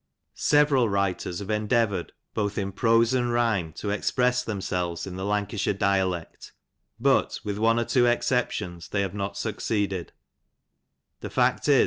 Several writers have endeavoured, both in prose and rhyme, to express themselves in the Lancashire di&Iect, but, with oce cr two eicepdons, they hme DM 9acc«ed&i, Tte twt i^^.